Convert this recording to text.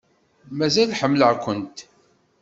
Mazal ḥemmleɣ-kumt.